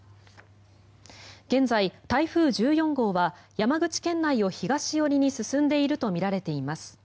現在、台風１４号は山口県内を東寄りに進んでいるとみられています。